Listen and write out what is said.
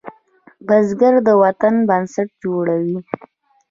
بزګر د وطن بنسټ جوړوي